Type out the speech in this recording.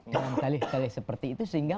dalam dalih dalih seperti itu sehingga